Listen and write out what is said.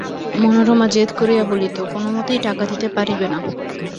মনোরমা জেদ করিয়া বলিত–কোনোমতেই টাকা দিতে পারিবে না।